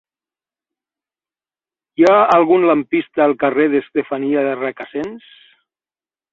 Hi ha algun lampista al carrer d'Estefania de Requesens?